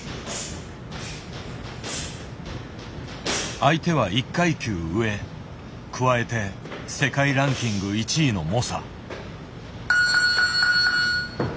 相手は１階級上加えて世界ランキング１位の猛者。